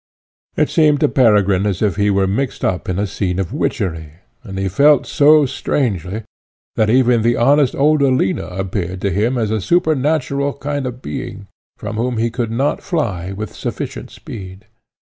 It seemed to Peregrine as if he were mixed up in a scene of witchery, and he felt so strangely, that even the honest old Alina appeared to him a supernatural kind of being, from whom he could not fly with sufficient speed.